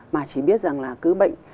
mà chỉ biết rằng là cứ bệnh